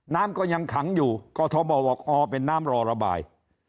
น้ำก็ยังขังอยู่กอทมบอกอ๋อเป็นน้ำรอระบาย